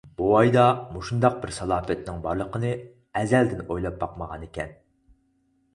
بوۋايدا مۇشۇنداق بىر سالاپەتنىڭ بارلىقىنى ئەزەلدىن ئويلاپ باقمىغانىكەن.